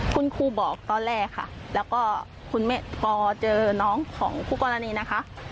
คุณครูบอกตอนแรกค่ะแล้วก็คุณแม่ปอเจอน้องของคู่กรณีนะคะ